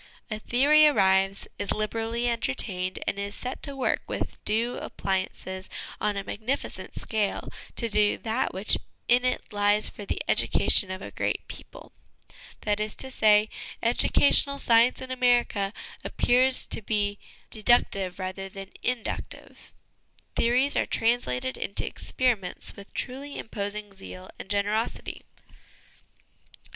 A theory arrives, is liberally entertained, and is set to work with due appliances on a magnificent scale to do that which in it lies for the education of a great people. That is to say, educational science in America appears to be deduc 1 See Appendix A. LESSONS AS INSTRUMENTS OF EDUCATION 197 tive rather than inductive ; theories are translated into experiments with truly imposing zeal and generosity.